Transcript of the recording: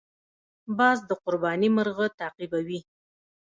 باز د قرباني مرغه تعقیبوي